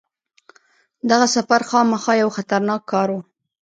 دغه سفر خامخا یو خطرناک کار وو.